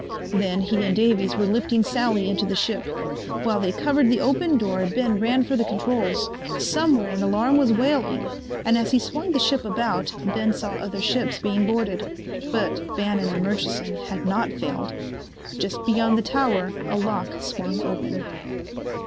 Then he and Davies were lifting Sally into the ship. While they covered the open door Ben ran for the controls. Somewhere an alarm was wailing and as he swung the ship about Ben saw other ships being boarded. But Bannon and Murchison had not failed. Just beyond the tower a lock swung open.